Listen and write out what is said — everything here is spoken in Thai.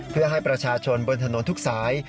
เพื่อให้ประชาชนบนถนนทุกสาย